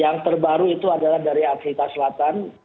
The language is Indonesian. yang terbaru itu adalah dari afrika selatan